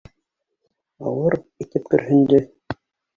Ауыр итеп көрһөндө.